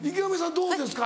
どうですか？